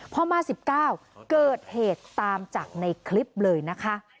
พอมา๑๙เกิดเหตุตามจากในคลิปเลยนะคะ